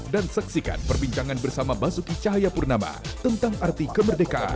saksikan perbincangan bersama basuki cahayapurnama tentang arti kemerdekaan